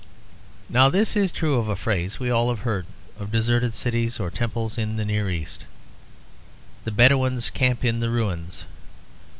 Now this is true of a phrase we have all heard of deserted cities or temples in the Near East: "The Bedouins camp in the ruins."